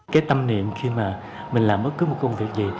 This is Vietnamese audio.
cái tâm niệm khi mà mình làm bất cứ một công việc gì